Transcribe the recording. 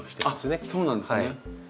あっそうなんですね。